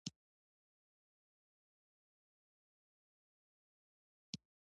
هغوی ته ووایه چې باید بیخي غلي او خاموشه واوسي